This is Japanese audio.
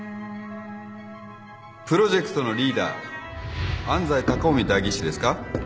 プロジェクトのリーダー安斎高臣代議士ですか。